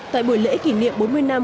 tại buổi lễ kỷ niệm bốn mươi năm